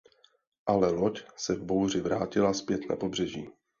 Ale loď se v bouři vrátila zpět na pobřeží.